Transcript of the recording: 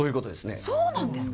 そうなんですか？